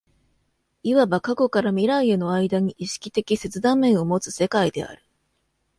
いわば過去から未来への間に意識的切断面を有つ世界である。